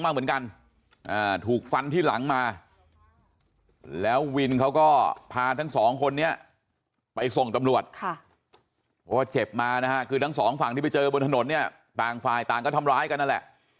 มาเหมือนกันถูกฟันที่หลังมาแล้ววินเขาก็พาทั้งสองคนนี้ไปส่งตำรวจเพราะว่าเจ็บมานะฮะคือทั้งสองฝั่งที่ไปเจอบนถนนเนี่ยต่างฝ่ายต่างก็ทำร้ายกันนั่นแหละ